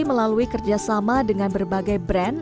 melalui kerjasama dengan berbagai brand